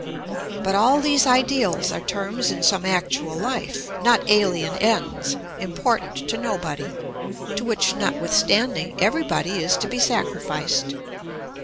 But all these ideals are terms in some actual life, not alien ends, important to nobody, to which, notwithstanding, everybody is to be sacrificed.